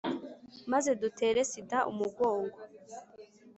maze dutere sida umugongo.